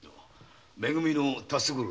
め組の辰五郎です。